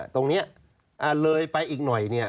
ตรงเนี่ยเลยไปอีกหน่อยเนี่ย